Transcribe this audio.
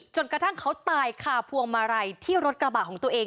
จนกระทั่งเขาตายคาพวงมาลัยที่รถกระบะของตัวเอง